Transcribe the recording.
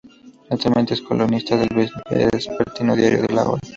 Actualmente es columnista del vespertino Diario La Hora.